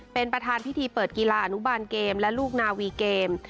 เป็นประธานพิธีเปิดกีฬาอนุบาลเกมและลูกนาวีเกม